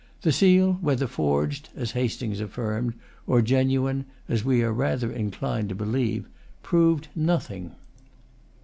The seal, whether forged, as Hastings affirmed, or genuine, as we are rather inclined to believe, proved nothing.